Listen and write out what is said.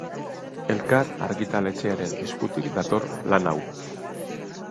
Elkar argitaletxearen eskutik dator lan hau.